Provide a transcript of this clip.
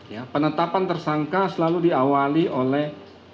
ya penetapan tersangka selalu diawali oleh